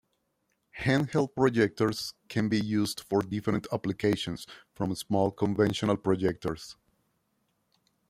Handheld projectors can be used for different applications from small conventional projectors.